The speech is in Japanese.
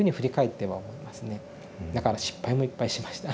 だから失敗もいっぱいしました。